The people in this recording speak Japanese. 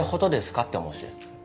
って思うし。